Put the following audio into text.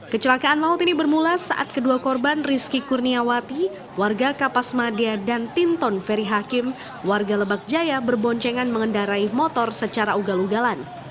kecelakaan maut ini bermula saat kedua korban rizky kurniawati warga kapas madia dan tinton ferry hakim warga lebak jaya berboncengan mengendarai motor secara ugal ugalan